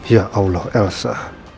ya allah elsa